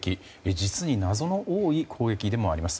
実に謎の多い攻撃でもあります。